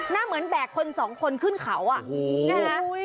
หน้าเหมือนแบกคนสองคนขึ้นเขาอ่ะนะฮะ